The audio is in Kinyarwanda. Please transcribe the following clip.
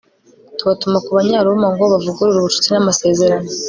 tubatuma ku banyaroma ngo bavugurure ubucuti n'amasezerano